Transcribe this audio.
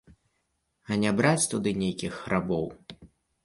А не браць туды нейкіх рабоў.